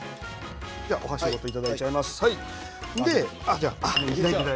お箸ごと、いただいちゃいます。